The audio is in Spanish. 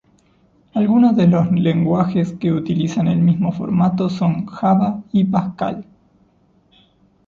Algunos de los lenguajes que utilizan el mismo formato son Java y Pascal.